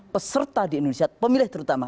peserta di indonesia pemilih terutama